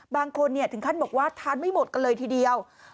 บางคนถึงขั้นบอกว่าทานไม่หมดกันเลยทีเดียว